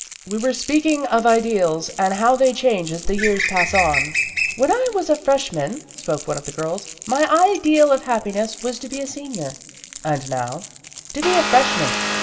" We were speaking of ideals, and how they change as the years pass on." " When I was a freshman," spoke one of the girls, " my ideal of happiness was to be a senior." "And now?" " To be a freshman.